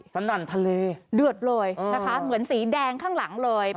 สนั่นทะเลเดือดเลยนะคะเหมือนสีแดงข้างหลังเลย